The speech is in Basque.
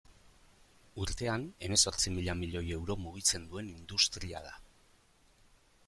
Urtean hemezortzi mila milioi euro mugitzen duen industria da.